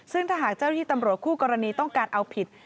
ซึ่งถ้าหากเจ้าที่ตำรวจคู่กรณีต้องการเอาผิด